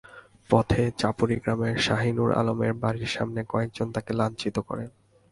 পথে চাপুরী গ্রামের শাহীনূর আলমের বাড়ির সামনে কয়েকজন তাঁকে লাঞ্ছিত করেন।